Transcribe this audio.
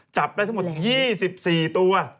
จับได้ทั้งหมด๒๔ตัว